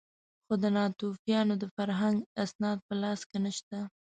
خو د ناتوفیانو د فرهنګ اسناد په لاس کې نه شته.